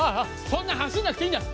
そんな走んなくていいんだよ。